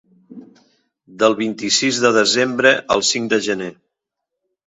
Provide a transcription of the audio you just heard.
Del vint-i-sis de desembre al cinc de gener.